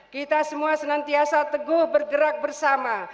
kita semua senantiasa teguh bergerak bersama